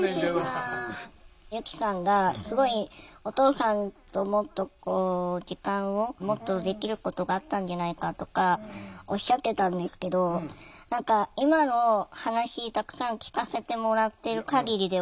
由希さんがすごいお父さんともっとこう時間をもっとできることがあったんじゃないかとかおっしゃってたんですけど何か今の話たくさん聞かせてもらってる限りでは。